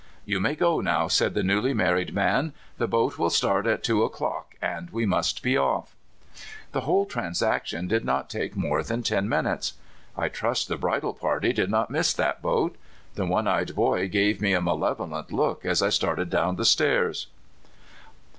"You may go now," said the newly married man. "The boat will start at two o'clock, and we must be off." The whole transaction did not take more than ten minutes. I trust the bridal party did not miss that boat. The one eyed boy gave me a malevo lent look as I started down the stairs.